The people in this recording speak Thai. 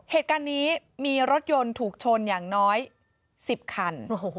เหตุการณ์นี้มีรถยนต์ถูกชนอย่างน้อย๑๐คัน